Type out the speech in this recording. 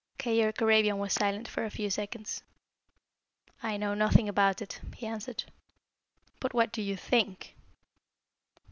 Keyork Arabian was silent for a few seconds. "I know nothing about it," he answered. "But what do you think?"